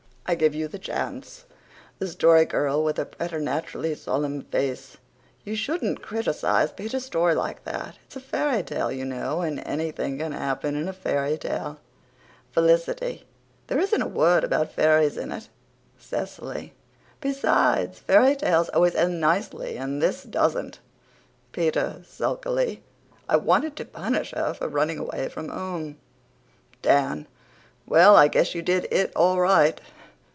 I give you the chance." THE STORY GIRL, WITH A PRETERNATURALLY SOLEMN FACE: "You shouldn't criticize Peter's story like that. It's a fairy tale, you know, and anything can happen in a fairy tale." FELICITY: "There isn't a word about fairies in it!" CECILY: "Besides, fairy tales always end nicely and this doesn't." PETER, SULKILY: "I wanted to punish her for running away from home." DAN: "Well, I guess you did it all right."